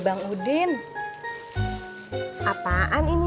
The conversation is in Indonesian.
bisa ngenjurin gak sini